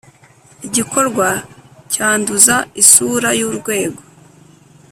Igikorwa cyanduza isura y’urwego